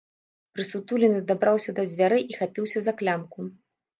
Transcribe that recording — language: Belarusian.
Прысутулены дабраўся да дзвярэй і хапіўся за клямку.